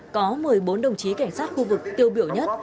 có một mươi bốn đồng chí cảnh sát khu vực tiêu biểu nhất